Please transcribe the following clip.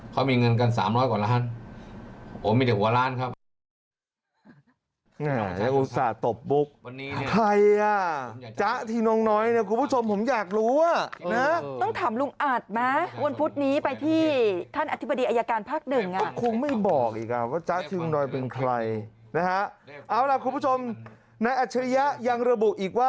เขามีเงินกันสามร้อยกว่าล้านผมมีเดี๋ยวหัวล้านครับ